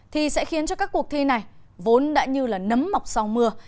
thì sẽ khiến các cuộc thi này vốn đã như nấm mọc sau mưa